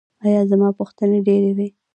ایا زما پوښتنې ډیرې وې؟